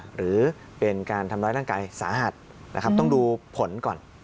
หรือเป็นการทำร้ายร่างกายสาหัสนะครับต้องดูผลก่อน